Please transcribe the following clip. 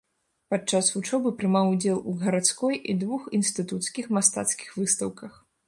Падчас вучобы прымаў удзел у гарадской і двух інстытуцкіх мастацкіх выстаўках.